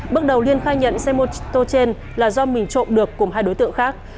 bước đầu liên khai nhận xe mô tô trên là do mình trộm được cùng hai đối tượng khác